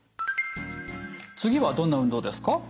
次はどんな運動ですか？